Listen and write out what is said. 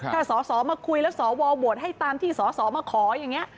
ถ้าสอสอมาคุยแล้วสวโหวตให้ตามที่สสมาขออย่างนี้